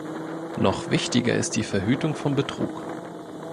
Noch wichtiger ist die Verhütung von Betrug.